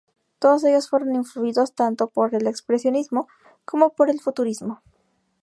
Todos ellos fueron influidos tanto por el expresionismo cómo por el futurismo.